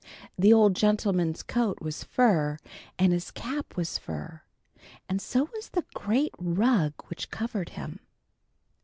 The old gentleman's coat was fur, and his cap was fur, and so was the great rug which covered him.